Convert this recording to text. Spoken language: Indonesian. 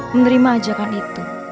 menerima ajakan itu